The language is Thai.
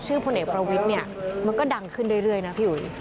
พลเอกประวิทย์เนี่ยมันก็ดังขึ้นเรื่อยนะพี่อุ๋ย